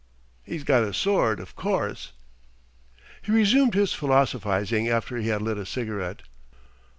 "'E's got a sword, of course".... He resumed his philosophising after he had lit a cigarette.